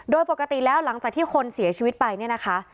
โดยปกติแล้วหลังจากที่คนเสียชีวิตไปเนี่ยนะคะ